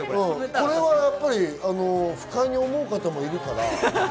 これは不快に思う方もいるから。